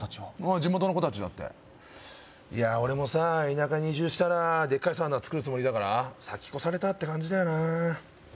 地元の子達だっていや俺もさ田舎に移住したらデッカいサウナ作るつもりだから先越されたって感じだよな